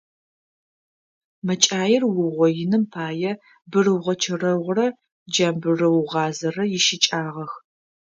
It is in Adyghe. Мэкӏаир уугъоиным пае бырыугъэчэрэгъурэ джамбырыугъазэрэ ищыкӏагъэх.